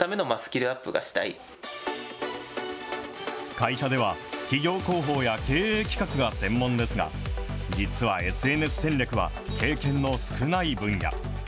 会社では、企業広報や経営企画が専門ですが、実はＳＮＳ戦略は経験の少ない分野。